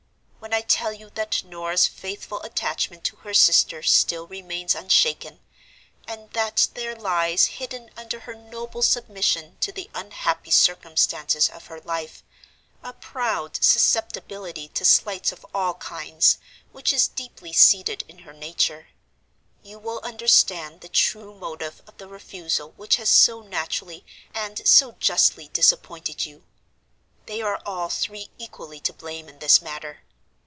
When I tell you that Norah's faithful attachment to her sister still remains unshaken, and that there lies hidden under her noble submission to the unhappy circumstances of her life a proud susceptibility to slights of all kinds, which is deeply seated in her nature—you will understand the true motive of the refusal which has so naturally and so justly disappointed you. They are all three equally to blame in this matter.